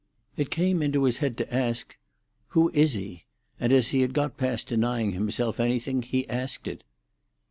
It came into his head to ask, "Who is he?" and as he had got past denying himself anything, he asked it.